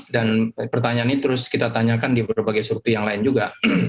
dan pertanyaan ini terus kita tanyakan di berbagai survei yang lain juga